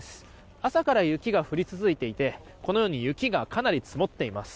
朝から雪が降り続いていてこのように雪がかなり積もっています。